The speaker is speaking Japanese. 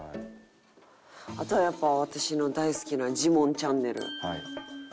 あとはやっぱ私の大好きな『ジモンチャンネル』。